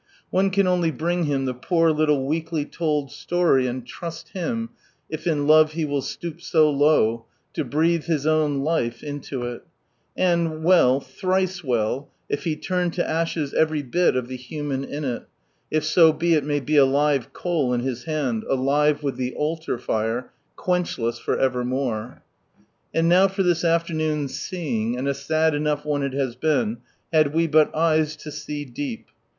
One can only bring Him the poor little ;akly told siory and trust Him— if in love He will stoop so low — to breathe His And well, thrice well, if He " turn to ashes " every bit of tlie human in it, if so be it may be a live coal in His hand, alive with the altar fire, quenchless for ever And now for this afternoon's seeing, and a sad enough one it has been, had we but eyes to see deep.